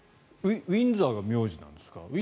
ウィンザーが苗字なんですか？